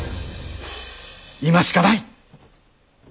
今しかない！